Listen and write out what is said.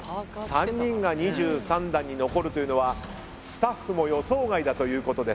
３人が２３段に残るというのはスタッフも予想外だということです。